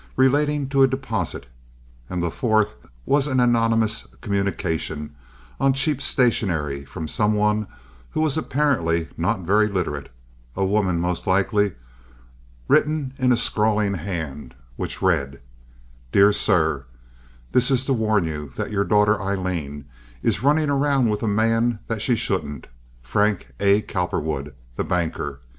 relating to a deposit, and the fourth was an anonymous communication, on cheap stationery from some one who was apparently not very literate—a woman most likely—written in a scrawling hand, which read: DEAR SIR—This is to warn you that your daughter Aileen is running around with a man that she shouldn't, Frank A. Cowperwood, the banker.